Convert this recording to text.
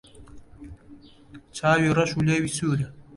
چاوی رەش و لێوی سوورە